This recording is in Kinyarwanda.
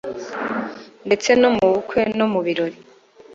ndetse no mubukwe no mubirori